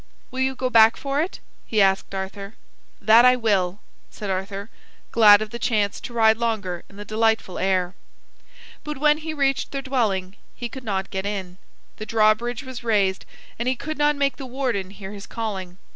"Will you go back for it?" he asked Arthur. "That I will," said Arthur, glad of the chance to ride longer in the delightful air. But when he reached their dwelling, he could not get in. The drawbridge was raised, and he could not make the warden hear his calling.